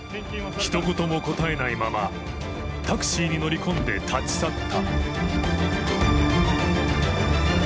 ひと言も答えないまま、タクシーに乗り込んで立ち去った。